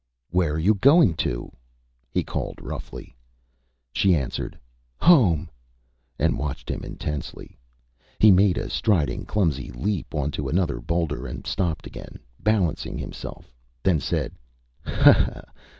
ÂWhere are you going to?Â he called, roughly. She answered, ÂHome!Â and watched him intensely. He made a striding, clumsy leap on to another boulder, and stopped again, balancing himself, then said ÂHa! ha!